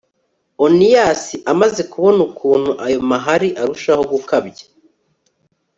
oniyasi amaze kubona ukuntu ayo mahari arushaho gukabya